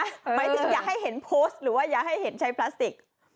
หมายถึงอย่าให้เห็นโพสต์หรือว่าอย่าให้เห็นใช้พลาสติก